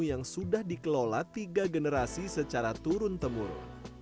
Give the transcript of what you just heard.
yang sudah dikelola tiga generasi secara turun temurun